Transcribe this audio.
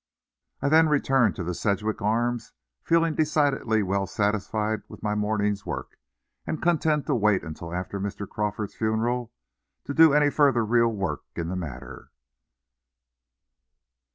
Then I returned to the Sedgwick Arms, feeling decidedly well satisfied with my morning's work, and content to wait until after Mr. Crawford's funeral to do any further real work in the matter.